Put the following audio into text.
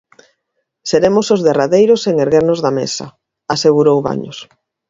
"Seremos os derradeiros en erguernos da mesa", asegurou Baños.